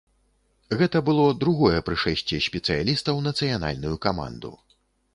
Гэта было другое прышэсце спецыяліста ў нацыянальную каманду.